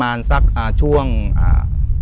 ข้างบ้านฮ่า